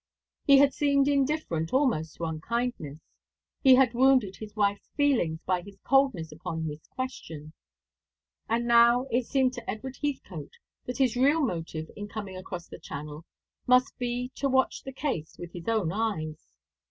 He had seemed indifferent almost to unkindness. He had wounded his wife's feelings by his coldness upon this question. And now it seemed to Edward Heathcote that his real motive in coming across the Channel must be to watch the case with his own eyes.